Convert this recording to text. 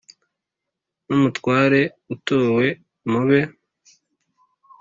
N'umutware utowe mu be